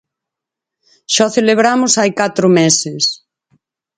Xa o celebramos hai catro meses.